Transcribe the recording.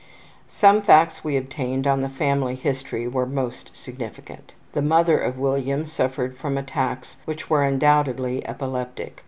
Some facts we obtained on the family history were most significant. The mother of William suffered from attacks which were undoubtedly epileptic.